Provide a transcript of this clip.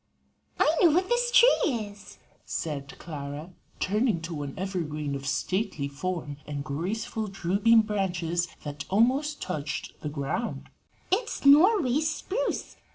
"I know what this tree is," said Clara, turning to an evergreen of stately form and graceful, drooping branches that almost touched the ground: "it's Norway spruce.